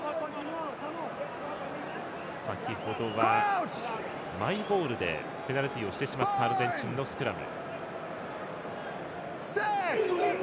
先ほどは、マイボールでペナルティをしてしまったアルゼンチンのスクラム。